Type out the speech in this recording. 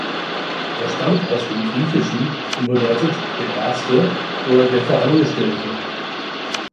Er stammt aus dem Griechischen und bedeutet der Erste oder der Vorangestellte.